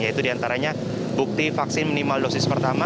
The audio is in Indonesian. yaitu diantaranya bukti vaksin minimal dosis pertama